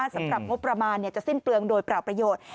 สำหรับงบประมาณจะสิ้นเปลืองโดยเปล่าประโยชน์